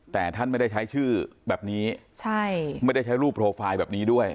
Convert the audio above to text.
แต่ท่านไม่ได้ใช้ชื่อแบบนี้ใช่ไม่ได้ใช้รูปโปรไฟล์แบบนี้ด้วย